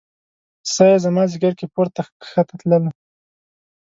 ساه يې زما ځیګر کې پورته کښته تلله